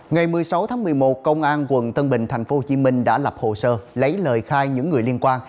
ngày một mươi sáu tháng một mươi một công an quận tân bình tp hcm đã lập hồ sơ lấy lời khai những người liên quan